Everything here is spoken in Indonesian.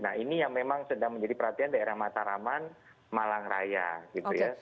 nah ini yang memang sedang menjadi perhatian daerah mataraman malang raya gitu ya